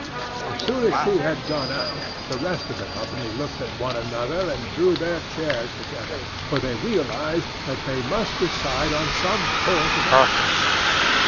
As soon as she had gone out, the rest of the company looked at one another and then drew their chairs together; for they realized that they must decide on some course of action.